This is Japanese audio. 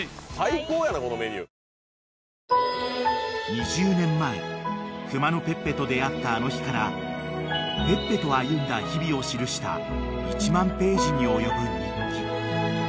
［２０年前熊のペッペと出合ったあの日からペッペと歩んだ日々を記した１万ページに及ぶ日記］